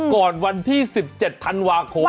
ก่อนวันที่๑๗ธันวาคม